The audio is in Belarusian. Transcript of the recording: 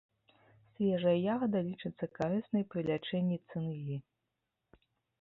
Свежая ягада лічыцца карыснай пры лячэнні цынгі.